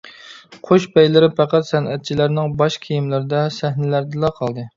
قۇش پەيلىرى پەقەت سەنئەتچىلەرنىڭ باش كىيىملىرىدە، سەھنىلەردىلا قالدى.